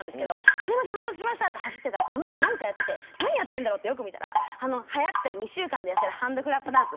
「すみませんお待たせしました」って走って行ったら加納さんなんかやってて何やってるんだろう？ってよく見たらはやってる２週間で痩せるハンドクラップダンス。